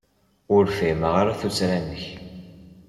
Ur fhimeɣ ara tuttra-nnek.